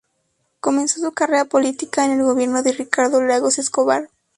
Comenzó su carrera política en el gobierno de Ricardo Lagos Escobar.